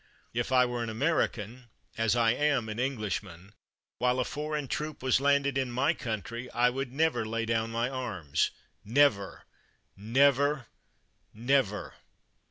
If I were an American, as I am an Englishman, while a foreign troop was landed in my country, I never would lay down my arms — never — never — never.